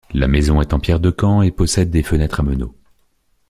La maison est en pierre de Caen et possède des fenêtres à meneaux.